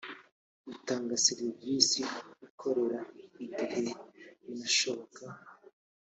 utanga serivisi akorera igihe binashoboka